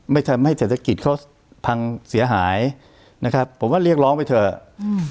ไม่ทำให้เศรษฐกิจเขาพังเสียหายนะครับผมว่าเรียกร้องไปเถอะอืม